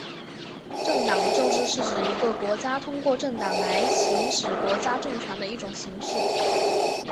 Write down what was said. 政党政治是指一个国家通过政党来行使国家政权的一种形式。